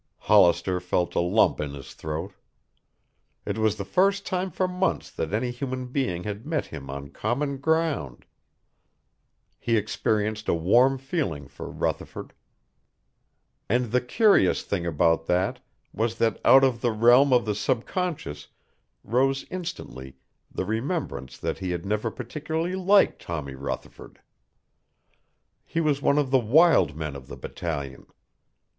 Hollister felt a lump in his throat. It was the first time for months that any human being had met him on common ground. He experienced a warm feeling for Rutherford. And the curious thing about that was that out of the realm of the subconscious rose instantly the remembrance that he had never particularly liked Tommy Rutherford. He was one of the wild men of the battalion.